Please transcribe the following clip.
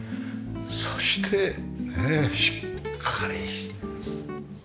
そしてねえしっかり耐震設計。